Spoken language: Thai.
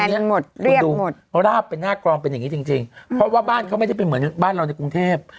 อันนี้คุณดูราบเป็นหน้ากลองเป็นอย่างนี้จริงเพราะว่าบ้านเขาไม่ได้เป็นเหมือนบ้านเราในกรุงเทพ